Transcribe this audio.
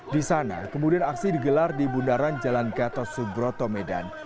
di sana kemudian aksi digelar di bundaran jalan gatot subroto medan